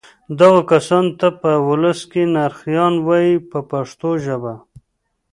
دغو کسانو ته په ولس کې نرخیان وایي په پښتو ژبه.